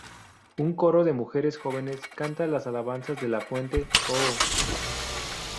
Un coro de mujeres jóvenes canta las alabanzas de la fuente, "Oh!